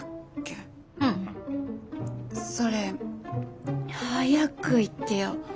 うん。それ早く言ってよ。